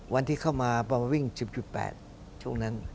วันที่เข้ามาประมาณวิ่ง๑๐๘ช่วงนั้น